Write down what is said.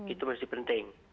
itu masih penting